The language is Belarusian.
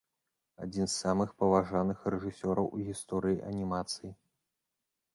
Адзін з самых паважаных рэжысёраў у гісторыі анімацыі.